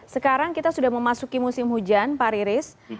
sekarang kita sudah memasuki musim hujan pak riris